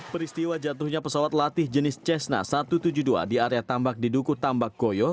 peristiwa jatuhnya pesawat latih jenis cessna satu ratus tujuh puluh dua di area tambak di duku tambak goyo